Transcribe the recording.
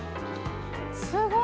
すごい！